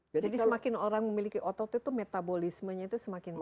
jadi semakin orang memiliki otot itu metabolismenya itu semakin bagus